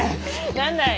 何だい？